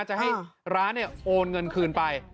จะให้ร้านโอนเงินคืนไป